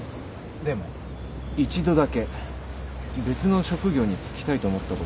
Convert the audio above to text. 一度だけ別の職業に就きたいと思ったことがあったな。